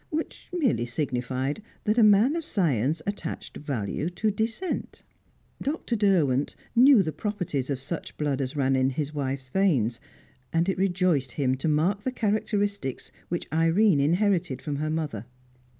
Which merely signified that a man of science attached value to descent. Dr. Derwent knew the properties of such blood as ran in his wife's veins, and it rejoiced him to mark the characteristics which Irene inherited from her mother.